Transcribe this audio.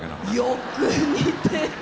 よく似てる。